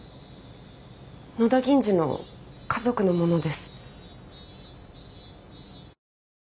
野田銀治の家族の者です